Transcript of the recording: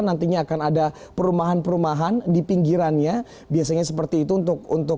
nantinya akan ada perumahan perumahan di pinggirannya biasanya seperti itu untuk